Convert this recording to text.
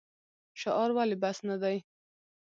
شعار ولې بس نه دی؟